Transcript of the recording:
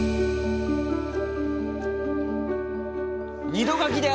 ２度書きで。